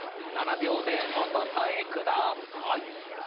７秒でお答えください。